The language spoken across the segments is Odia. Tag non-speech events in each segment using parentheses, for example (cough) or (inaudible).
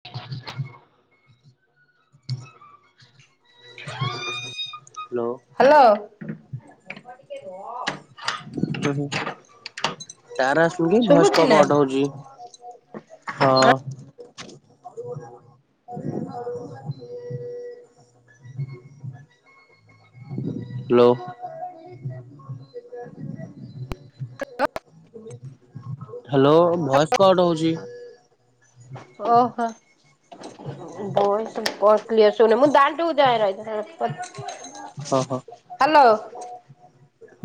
(unintelligible) Hello hello. ଏପ ଟିକେ ରୁହ। ହାଲୋ। ତାରାଶୁଙ୍ଗି ଶୁଭୁଛି ଭୟସ୍କ ନା? କଟ ହଉଛି ହଁ। (unintelligible) ହ (inaudible) ହାଲୋ। (unintelligible) ହ୍ୟାଲୋ ଭଏସ କଟ ହଉଛି। ଓହ। ଭଏସ କ୍ଲିଅର ଶୁୁଭୁୁନି, ମୁଁ ଦାଣ୍ଡକୁ ଯାଏ ରହିଥା। ଅଁହଁ। Hello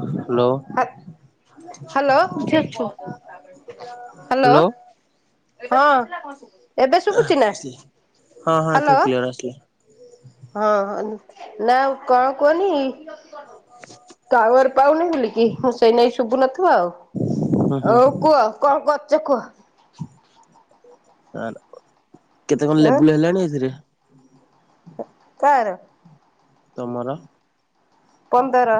hello. ହ୍ୟାଲୋ କି ଅଛୁ? ହାଲୋ। ହଁ ଏବେ ଶୁଭୁଛି ନା ହଁ ହଁ ଏଥର ହାଲୋ। କ୍ଲିୟର ଆସିଲା। ହଁ ହଁ ନା କଣ କୁହନି ଟାୱର ପାଉନି ବୋଲିକି ହଁ ସେଇ ନାଇ ଶୁଭୁ ନଥିବ, ହୁଁ ହୁଁ। ଆଉ ହଉ କୁହ କଣ ଚୁଖୁ (unintelligible) ଆ କେତେ କଣ ଲେବୁଲ ହେଲାଣି ଏଥିରେ କାହାର। ତମର ପନ୍ଦର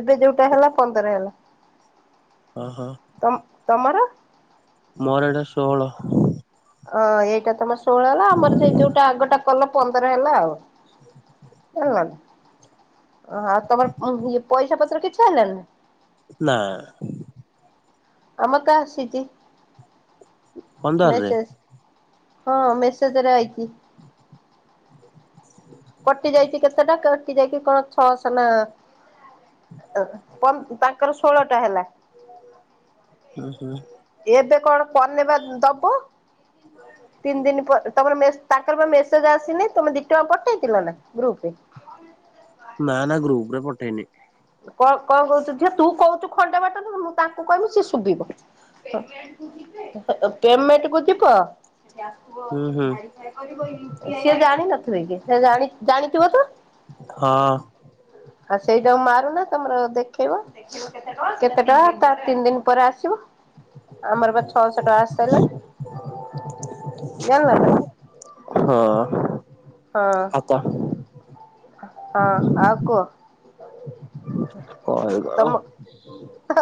ଏବେ ଯୋଉଟା ହେଲା ପନ୍ଦର ହେଲା। ଓହୋ। ତମ ତମର ମୋର ଏଡା ଷୋହଳ ହଁ ଏଇଟା ତମର ଷୋହଳ ହେଲା, ଆମର ସେ ଯୋଉଟା ଆଗଟା କଲ ପନ୍ଦର ହେଲା ଆଉ। ଆଲା ହଁ ଆଉ ତମର ପଇସା ପତ୍ର କିଛ ଆଇଲାନି ନା ନାଁ ଆମ କା ଆସିଛି ପନ୍ଦରରେ। ମେସେଜ୍ ହଁ ମେସେ ସେଥେରେ ଆଇଚି। କଟି ଯାଇଛି କେତେଟା କଟି ଯାଇଛିି କଣ ଛଅଶ ନା ପନ ତାଙ୍କର ଷୋହଳ ଟା ହେଲା। ହୁଁ। ହୁଁ। ଏବେ କଣ ପନେବା ଦବୁ? ତିନି ଦିନ ପରେ ତମର ମେସେ ତାଙ୍କର ବା ମେସେଜ ଆସିନି। ତମେ ଦି ଟଙ୍କା ପଠେଇଥିଲ ନା ଗ୍ରୁପରେ? ନା ନା ଗ୍ରୁପରେ ପଠେଇନି। କଣ କଣ କହୁଛୁ ଝିଅ ତୁ କହୁଛୁ ଖଣ୍ଡେ ବାଟରେ ମୁଁ ତାଙ୍କୁ କହିବି ସିଏ ଶୁଭିବ? ପେମେଣ୍ଟ କୁ ଯିବେ, ପେମେଣ୍ଟ କୁ ଯିବ ହୁଁ ହୁଁ। ସେ ଜାଣିିନଥିବେ କି ସେ ଜାଣି ଜାଣିଥିବ ତ? ହଁ ଆଉ ସେଇଟା କୁ ମାର ତମର ଦେଖେଇବ କେତେ ଟଙ୍କା ତା ତିନି ଦିନ ପରେ ଆସିବ। ଆମର ବା ଛଅଶହ ଟଙ୍କା ଆସି ସାଇଲାଣି। ହଁ ହଁ ଆଉ କଣ? ହଁ ଆଉ କୁଅ। କହିବା ଆଉ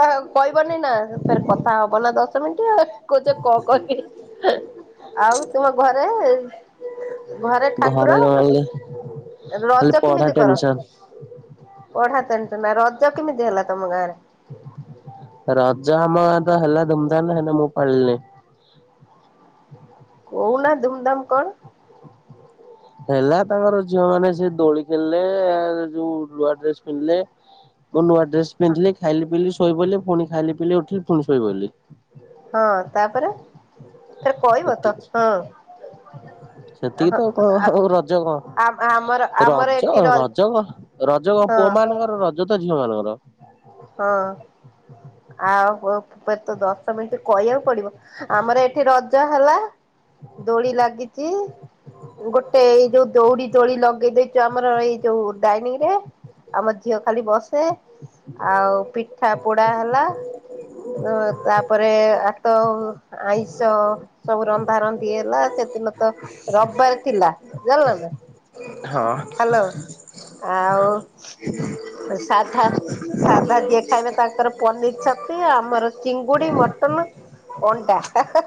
ଆଉ କହିବନି ନା ଫେର୍ କଥା ହବ ନା ଦଶ ମିଣ୍ଟି ଆଉ କହୁଚ କଣ କହିବି? ଆଉ ତୁମ ଘରେ ଘରେ ଠାକୁର ଖାଲି ରଜ ପଢା କେମିତି କର? ଟେନସନ। ପଢାତେନ ତ ନା ରଜ କେମିତି ହେଲା ତମ ଗାଁ ରେ? ରଜ ଆମ ଗାଁରେ ତ ହେଲା ଧୁମଧାମ ହେଲେ ମୁଁ ପାଳିଲିନି। କହୁନା ଧୁମଧାମ କଣ? ହେଲା ତାଙ୍କର ଝିଅ ମାନେ ସେ ଦୋଳି ଖେଳିଲେ ଯୋଉ ଲୁଆ ଡ୍ରେସ ପିନ୍ଧିଲେ ମୁଁ ନୂଆ ଡ୍ରେସ ପିନ୍ଧିଲି ଖାଇଲି ପିିଇଲି ଶୋଇପଇଲି ପୁଣି ଖାଇଲି ପିଇଲି ଉଠିଲି ପୁଣି ଶୋଇପଇଲି। ହଁ ତାପରେ ଫେର କହିବ ତ ଏତିକି ହଁ। ସେତିକି ହଁ ତ ଆଉ କଣ ଆଉ ରଜ କଣ? ଆ ଆମର ଆମର ରଜ ଏଠି ର ରଜ କ ରଜ କଣ ହଁ ପୁଅ ମାନଙ୍କର ରଜ ତ ଝିଅ ମାନଙ୍କର। ହଁ ଆଉ ପ ପେର ତ ଦଶ ମିନିଟ କହିବାକୁ ପଡିବ ଆମର ଏଠି ରଜ ହେଲା ଦୋଳି ଲାଗିଚି ଗୋଟେ ଏଇ ଯୋଉ ଦଉଡି ଦୋଳି ଲଗେଇ ଦେଇଚୁ ଆମର ଏଇ ଯୋଉ ଡାଇନିଂ ରେ ଆମର ଝିଅ ଖାଲି ବସେ ଆଉ ପିଠା ପୋଡା ହେଲା ତାପରେ ଆ ତ ଆଇଁଷ ସବୁ ରନ୍ଧାରନ୍ଧି ହେଲା ସେ ଦିନ ତ ରବିବାର ଥିଲା ଜାଣିଲ ନା। ହଁ। ହ୍ୟାଲୋ ଆଉ ସାଧା ସାଧା ଯିଏ ଖାଇବେ ତା ଙ୍କର ପନିର, ଛତି ଆମର ଚିଙ୍ଗୁଡି, ମଟନ, ଅଣ୍ଡା ହେ-ହେ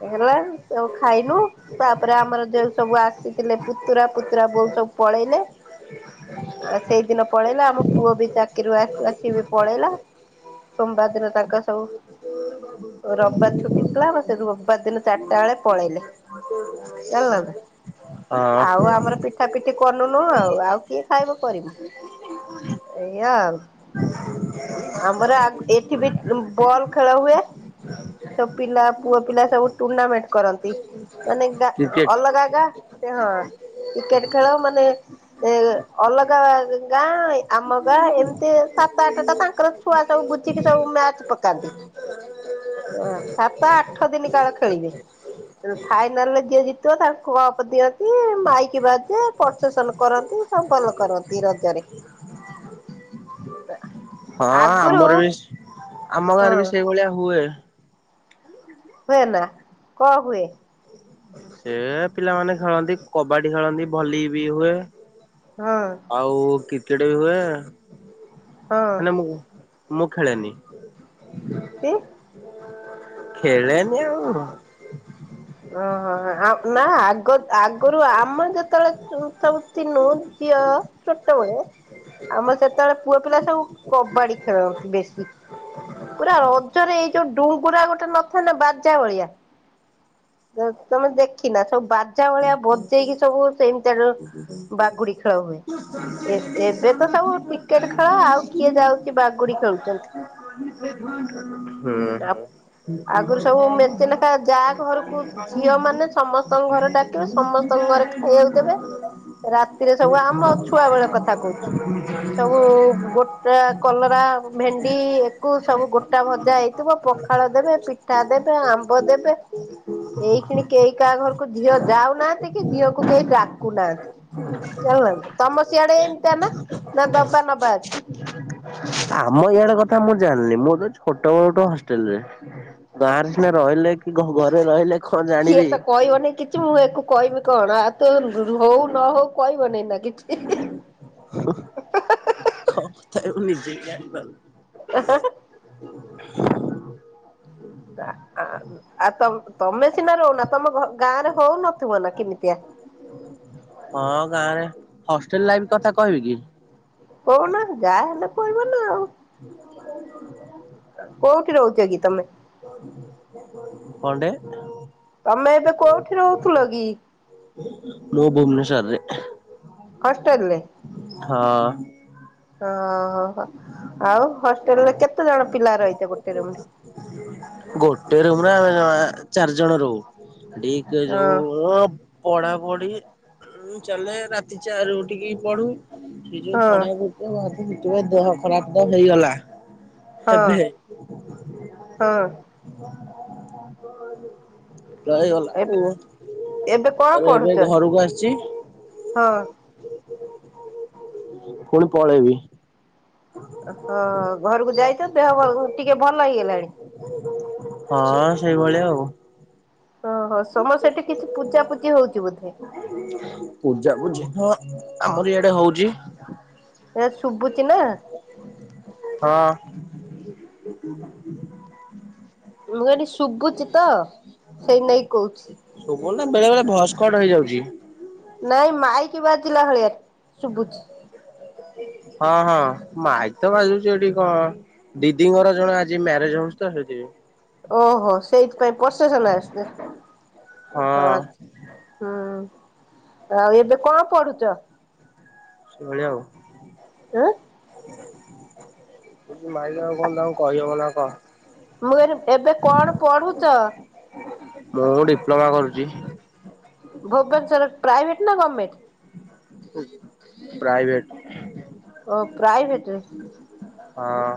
ହେଇଗଲା ଯୋଉ ଖାଇନୁ ତାପରେ ଆମର ଯୋଉ ସବୁ ଆସିଥିଲେ ପୁତୁରା ପୁତୁରା ବୋଉ ସବୁ ପଳେଇଲେ ଆଉ ସେଇଦିନ ପଳେଇଲା ଆମ ପୁଅ ବି ଚାକିରୀରୁ ଆସ ଆସ ବି ପଳେଇଲା। ସୋମବାର ଦିନ ତାଙ୍କର ସବୁ ରବିବାର ଛୁଟି ଥିଲା ବା ସେ ରବିବାର ଦିନ ଚାରିଟା ବେଳେ ପଳେଇଲେ। ଜାଣିଲ ନା। ହଁ। ଆଉ ଆମର ପିଠା ପିଠି କଲୁନୁ ଆଉ ଆଉ କିଏ ଖାଇବା କରିମୁ ଏଇଆ ଆଉ। ଆମର ଆ ଏଠି ବି ବଲ ଖେଳ ହୁଏ। ସବୁ ପିଲା ପୁଅ ପିଲା ସବୁ ଟୁର୍ଣ୍ଣାମେଣ୍ଟ କରନ୍ତି। ମାନେ ଗ କ୍ରିକେଟ ଅଲଗା ଗା ସେ ହଁ କ୍ରିକେଟ ଖେଳ ମାନେ ଏ ଅଲଗା ଗାଁ ଆମ ଗାଁ ଏମିତି ସାତ ଆଠ ଟା ତାଙ୍କର ଛୁଆ ସବୁ ଗୁଝିକି ସବୁ ମ୍ୟାଚ ପକାନ୍ତି। ହଁ। ଓ ସାତ ଆଠ ଦିନ କାଳ ଖେଳିବେ ଫାଇନାଲ ରେ ଯିଏ ଜିତିବ ତାଙ୍କୁ କପ ଦିଅନ୍ତି ମାଇ ଶିବା ଯେ ପ୍ରଶାସନ କରନ୍ତି ସମ୍ପଲ କରନ୍ତି ରଜରେ (inaudible) ହଁ ଆଗରୁ ଆମର ବି ଆମ ହଁ ଗାଁରେ ବି ସେଇଭଳିଆ ହୁଏ। ହୁଏ ନା କଣ ହୁଏ? ଏ ପିଲାମାନେ ଖେଳନ୍ତି, କବାଡି ଖେଳନ୍ତି ଭଲି ବି ହୁଏ ହଁ ଆଉ କି କିଡେ ବି ହଁ ହୁଏ ମୁଁ ମୁଁ ଖେଳେନି। କି? ଖେଲେନି ଆଉ। ଓ ହୋ ନା ଆଗ ଆ ଗୁରୁ ଆମର ଯେତେବେଳେ ସବୁ ତି ନୁ ଝିଅ ଛୋଟବେଳେ ଆମର ସେତେବେଳେ ପୁଅ ପିଲା ସବୁ କବାଡି ଖେଳନ୍ତି ବେଶୀ। ପୁରା ରଜରେ ଏଇ ଯୋଉ ଡୁଙ୍ଗୁରା ଗୋଟେ ନଥାଏ ନା ବଜା ଭଳିଆ ତମେ ଦେଖି ନା ସବୁ ବାଧ୍ୟ ବଞ୍ଚା ଭଳିଆ ବଞ୍ଚେଇକି ସବୁ ସେମିତିଆଡୁ ବାଗୁଡି ଖେଳ ହୁଏ, ଏବେ ତ ସବୁ ଟିକେଟ ଖେଳ ଆଉ କିଏ ଯାଉଛି ବାଗୁଡି ଖେଳୁଛନ୍ତି। ହୁଁ। ଆଗରୁ ସବୁ ମେଚେ ଲେଖା ଯାହା ହଁ। ଘରକୁ ଝିଅ ମାନେ ସମସ୍ତଙ୍କ ଘରେ ଡାକିବ ସମସ୍ତଙ୍କ ଘରେ ଖାଇବାକୁ ଦେବେ ରାତିରେ ସବୁ ଆମ ଛୁଆ ବେଳେ କଥା କହୁଛୁ। ସବୁ ଗୋଟା କଲରା ଭେଣ୍ଡି ଏକୁ ସବୁ ଗୋଟା ଭଜା ହେଇଥିବ ପଖା ପିଠା ଦେବେ ଆମ୍ବ ଦେବେ ଏଇ କେ କାହା ଘରକୁିଅ ଯ ଖାଉନାହାନ୍ତି କି ଝିଅକୁ କେ ଡାକୁନାହାନ୍ତି। ତମ ଶିଆଡେ ଏମତି ନା ନା ଦବା ନବାଛି ଆମ ଇଆଡେ କ କ ମୁଁ ଜାଣିଲି ମୁଁ ଛୋଟ ବ ଗୋଟ ହଷ୍ଟେଲ ରେ ଗାଁରେ ସିନା ରହିଲେ। କି ଘରେ ରହିଲେ କଣ ସିଏ ଜାଣିବି। ତ କହିବନି କିଛି ମୁଁ ୟାକୁ କହିବି କଣ ଆଉ ତ ହଉ ନ ହଉ କହିବ ନାଇଁ ନା କିଛି? କ କଥା ମୁ ନିଜେ ବି ଜାଣିପାରୁନି। (inaudible) ଆଉ ତ ତମେ ସିନା ରହୁନା ତମ ଗାଁ ରେ ହଉନଥିବ ନା କେମିତି? ହଁ ଗାଁ ରେ ହଷ୍ଟେଲ ଲାଇଫ କଥା କହିବି କି? କଉନା ଯା ହେଲେ ପିବ ନା ଆଉ। କୋଉଠି ରହୁଛ କି ତମେ? କଣ୍ଡେ? ତମେ ଏବେ କୋଉଠି ରହୁଥିଲ କି? ମୁଁ ଭୁବନେଶ୍ୱର ରେ। ହଷ୍ଟେଲ ରେ? ହଁ। ଓହୋ ହୋ ଆଉ ହଷ୍ଟେଲରେ କେତେ ଜଣ ପିଲା ରହିଥା ଗୋଟେ? ରୁମରେ? ଗୋଟେ ରୁମରେ ଆମେ ଯାମ ଚା ଜଣ ରହୁ, ହେଟି ଯଉ ହଁ ପଢାପଢି ଚାଲେ ରାତି ଚାରି ଉଠିକି ପଢୁ। ସେ ଯୋଉ ହଁ ପଢ ମା ଦେହ ଖରାପ ତ ହେଇଗଲା ହଁ ହେବେ ହଁ ହ। ରହିଗଲା ଏବେ ଏବେ କଣ ଉ ପଢୁଛ? ଏବେ ଘରକୁ ଆସିଛି। ହଁ। ପୁଣି ପଳେଇବି। ହଁ ଘରକୁ ଯାଇ ତ ଦେହ ଅ ଟିକେ ଭଲ ହେଇଗଲାଣି? ହଁ ସେଇଭଳିଆ ଆଉ। ଓହୋ ସମସ୍ତେ ସେଠି କିଛି ପୂଜା ପୂଜି ହଉଛି। ବୋଧେ ପୂଜା ପୂଜି ହଁ ଆମର ଇଆଡେ ହଉଛି। ଏ ଶଭୁଛି ନା? ହଁ। ମୁଁ କହିଲି ଶୁଭୁଛି ତ ସେଇ ନାକି କହୁଛି। କଣ ନା ବେଳେ ବେଳେ ଭଏସ୍ କଟ ହେଇଯାଉଛି। ନାଇଁ ମାଇକି ବାଜିଲା ଭଳିଆ। ଶୁଭୁଛି। ହଁ ହଁ ମାଇ ସେ ବାଜୁଛି ଏଠି କଣ ଦିଦିଙ୍କର ଜଣେ ଆଜି ମ୍ୟାରେଜ ହଉଛି ତ ସେଇଥି ପାଇଁ। ଓହୋ ସେଇଥିପାଇଁ ପସେସନ୍ ଆସୁଛି। ଓହୋ ହଁ। ଆଛା ହୁଁ ଆଉ ଏବେ କଣ ପଢୁଛ? ସେଭଳିଆ ଆଉ। ଆଁ, ମାଇଲ ଆଉ କଣ ତାଙ୍କୁ କହିହବ ନା କଣ। ମୁଁ ଏଇନେ ଏବେ କଣ ପଢୁଚ? ମୁଁ ଡିପ୍ଲୋମା କରୁଚି। ଭୋବନେସର ପ୍ରାଇଭେଟ ନା ଗମେଣ୍ଟ। ପ୍ରାଇଭେଟ ଓ ପ୍ରାଇଭେଟରେ, ହଁ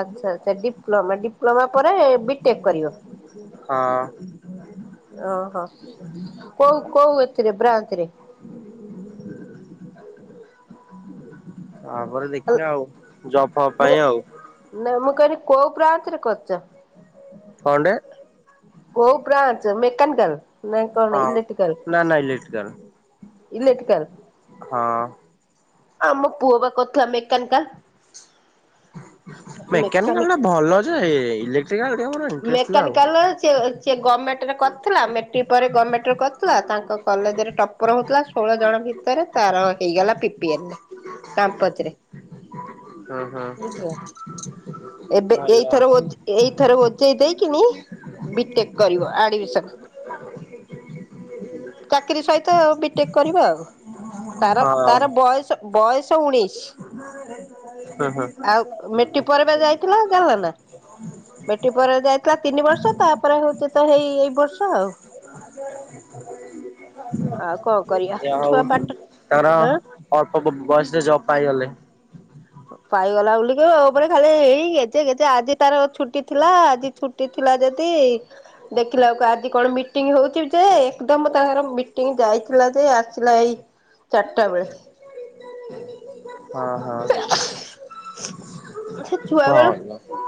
ଆଚ୍ଛା ଆଚ୍ଛା ଡିପ୍ଲୋମା ଡିପ୍ଲୋମା ପରେ ବିଟେକ୍ କରିବ। ହଁ ଓହୋ କୋଉ କୋଉ ଏଥିରେ ବ୍ରାନଚରେ? ତାପରେ ଦେଖିବା ଆଉ ଜବ ଫବ ପାଇଁ ଆଉ କହେ କୋଉ ପ୍ରାନ୍ତରେ କରୁଛ? କଣ୍ଟେ କୋଉ ବ୍ରାଞ୍ଚ ମେକାନିକାଲ ନା କଣ ହଁ ଇଲେକ୍ଟ୍ରିକଲ୍? ନା ନା ଇଲେକ୍ଟ୍ରିକାଲ ଇଲେଟିକାଲ୍ ହଁ। ଆମ ପୁଅବା କଥିଲା ମେକାନିକାଲ। ମେକାନିକାଲ ଟା ମେକାନିକ ଭଲ ଯେ ଇଲେକ୍ଟ୍ରିକାଲ ଟିକେ ମୋର ଇଣ୍ଟରେଷ୍ଟ ଥିଲା ଆଉ ମେକାନିକାଲ ଚିଏ ସିଏ ଗମେଣ୍ଟରେ କରିଥିଲା ମେଟ୍ରିକ୍ ପରେ ଗମେଣ୍ଟରେ କରିଥିଲା ତାଙ୍କ କଲେଜରେ ଟପର ହେଉଥିଲା ଷୋହଳ ଜଣ ଭିତରେ ତାର ହେଇଗଲା ପିପିଏନ ରେ କାମ୍ପଚ ରେ। ହୁଁ ହୁଁ। ବୁଝିଲା ଏବେ ଭଲ ଏଇଥର ହଉ ଏଇଥର ହୋ ଦେଇକିନି ବିଟେକ୍ କରିବ ଆଡମିଶ ଚାକିରୀ ସହିତ ବିଟେକ୍ କରିବା ଆଉ ତାର ହଁ ତାର ବୟସ ବୟସ ଉଣେଇଶ ହୁଁ ଯାଇଥିଲା ଜାଣିଲ ନା ହୁଁ। ମେଟ୍ରିକ ପରେ ଯାଇଥିଲା ତିନି ବର୍ଷ ତାପରେ ହଉଛି ତ ହେଇ ଏଇ ବର୍ଷ ଆଉ ଆ ଯାହା ହଉ ତାର ହଁ ଅଳ୍ପ ବୟସରେ ଜବ ପାଇଗଲେ। ପାଇଗଲା ବୁଲିକି ଉପରେ ଖାଲି ଗେଜେ ଗେଜେ ଆଜି ତାର ଛୁଟି ଥିଲା ଆଜି ଛୁଟି ଯଦି ଦେଖିଲା ବକୁ ଆଜି କଣ ମିଟିଂ ହଉଛି ଯେ ଏକଦମ ତାଙ୍କର ମିଟିଂ ଯାଇଛି ଥିଲା ଯେ ଆସିଲା ଏଇ ଚାରିଟା ବେଳେ। ହଁ ହଁ। ସେ ଛୁଆ ବେଳୁ ଭଲ ତ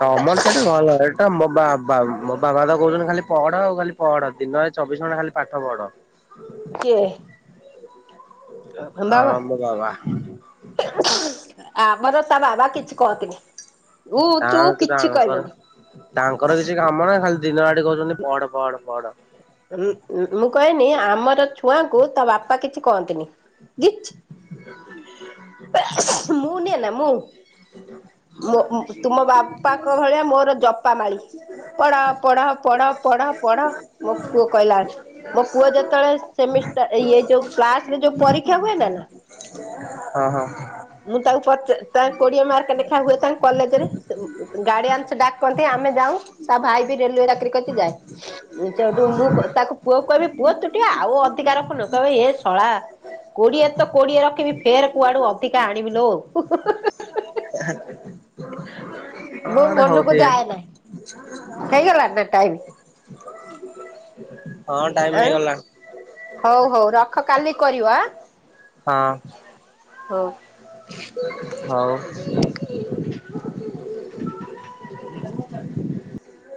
ତମର ସେଠି ଭଲ ଏଇଟା ମୋ ବା ବାବ ମୋ ବାବା ତ କହୁଛନ୍ତି ଖାଲି ପଢ ଆଉ ଖାଲି ପଢ ଦିନରେ ଚବିଶ ଘଣ୍ଟା ଖାଲି ପାଠ ପଢ। କିଏ? ହଁ ବାବା ଆମ ବାବା। ଆମର ତା ବାବା କିଛି କହତିନି। ତା ତାଙ୍କର ତାଙ୍କର କିଛି କାମ ନାହିଁ ଖାଲି ଦିନ ଆଡେ କହୁଛନ୍ତି ପଢ଼ ପଢ଼ ପଢ଼। ଉଁ ମୁଁ କହିନି ଆମର ଛୁଆଙ୍କୁ ତା ବାପା କିଛି କହନ୍ତିନି। ହ (inaudible) ମୁଁ ନିଏନା ମୁଁ? ତୁମ ବାପାଙ୍କ ଭଳିଆ ମୋର ଜପା ମାାଳି। ପଢା ପଢା ପଢା ପଢ ପଢ ମୋ ପୁଅ କହିଲା ମୋ ପୁଅ ଯେତେବେଳେ ସେମିଷ୍ଟା ଇଏ ଯୋଉ କ୍ଲାସରେ ଯୋଉ ପରୀକ୍ଷା ହୁଏ ନା ନା ହଁ ହଁ। ମୁଁ ତାକୁ ପ ତେ କୋଡିଏ ମାର୍କ ଲେଖା ହୁଏ ତାଙ୍କ କଲେଜରେ ଉ ଟ ଗାଡିଆନସ ଡାକନ୍ତି ଆମେ ଯାଉ। ଖାଇ ପିଇ ରେଲୱେ ଚାକିରି କରିଚି ଯାଏ ସେଠୁ ମୁଁ ତାକୁ ପୁଅକୁ କହିବି ପୁଅ ତୁ ଟିକିଏ ଆଉ ଅଧିକା ର ହଇଲୋ ଏ ଶଳା କୋଡିଏରେ ତ କୋଡିଏ ରଖିବି ଫେର କୁଆଡୁ ଅ (unintelligible) ଆଣିବି ଲୋ। ମୋ ହଁ ଗୋଟେ ମନୁକୁ ଯାଆ ହଉଥିବେ ଆଇଲ ହେଇଗଲା ନା ଟାଇମ୍? ହଁ ଟାଇମ ହେଇଗଲା। ହଉ ହଉ ରଖ କାଲି କରିବା। ହଁ। ହଉ। ହଉ। (inaudible)